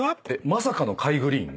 「まさかのカイ・グリーン」